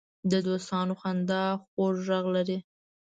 د دوستانو خندا خوږ غږ لري